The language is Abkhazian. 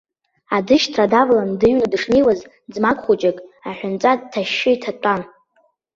Аӡышьҭра давалан дыҩны дышнеиуаз, ӡмах хәыҷык, аҳәынҵәа ҭашьшьы иҭатәан.